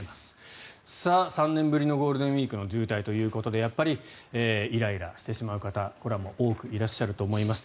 ３年ぶりのゴールデンウィークの渋滞ということでイライラしてしまう方、これは多くいらっしゃると思います。